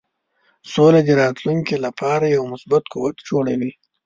سوله د راتلونکې لپاره یو مثبت قوت جوړوي.